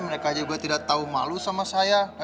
mereka juga tidak tahu malu sama saya